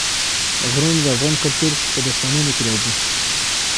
غرونه د افغان کلتور په داستانونو کې راځي.